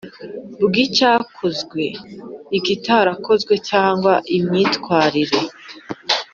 bw’icyakozwe, ikitakozwe cyangwa imyitwarire,